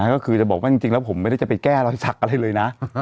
ก็คือจะบอกว่าจริงแล้วผมไม่ได้จะไปแก้รอยสักอะไรเลยนะ